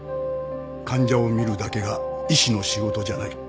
患者を診るだけが医師の仕事じゃない。